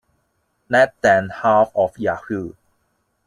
Less than half of Yahoo!